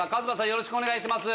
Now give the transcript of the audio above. よろしくお願いします。